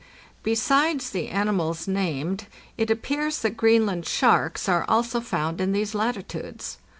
Besides the animals named, it appears that Greenland sharks are also found in these latitudes.